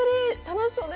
楽しそう。